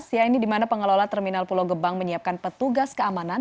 ya ini di mana pengelola terminal pulau gebang menyiapkan petugas keamanan